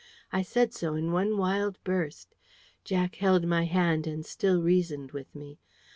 I said so in one wild burst. Jack held my hand, and still reasoned with me.